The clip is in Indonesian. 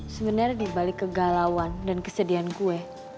sebenernya dibalik ke galauan dan kesedihan gue